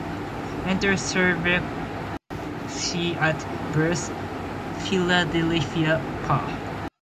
Entered servlce at:--- Birth: Philadelphia, Pa.